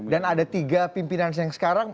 dan ada tiga pimpinan yang sekarang